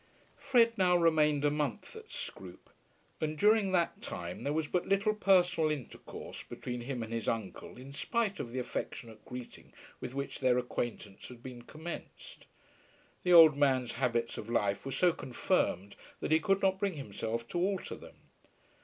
Fred now remained a month at Scroope, and during that time there was but little personal intercourse between him and his uncle in spite of the affectionate greeting with which their acquaintance had been commenced. The old man's habits of life were so confirmed that he could not bring himself to alter them.